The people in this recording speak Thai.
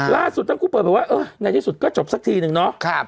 ล่าสุดทั้งคู่เปิดไปว่าเออในที่สุดก็จบสักทีนึงเนาะ